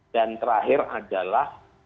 dan terakhir adalah